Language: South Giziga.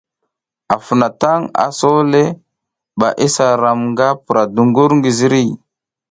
Afounatang, aso le ɓa isa ram nga pura dungur ngi ziriy.